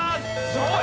すごい！